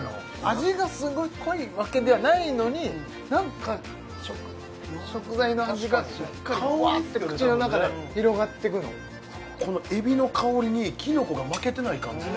味がすごい濃いわけではないのになんか食材の味がしっかりふわって口のなかで広がってくのこの海老の香りにキノコが負けてない感じ